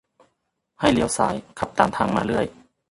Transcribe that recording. ให้เลี้ยวซ้ายขับตามทางมาเรื่อย